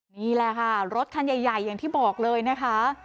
นี่แหละค่ะรถคันใหญ่อย่างที่บอกเลยนะคะ